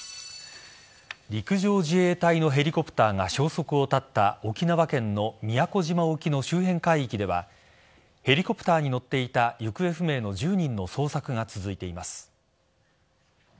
陸上自衛隊のヘリコプターが消息を絶った沖縄県の宮古島沖の周辺海域ではヘリコプターに乗っていた行方不明の１０人の捜索が続いています。